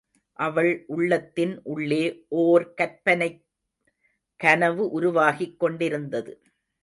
அவள் உள்ளத்தின் உள்ளே ஓர் கற்பனைகனவு உருவாகிக் கொண்டிருந்தது.